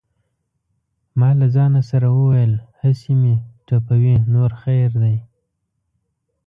ما له ځانه سره وویل: هسې مې ټپوي نور خیر دی.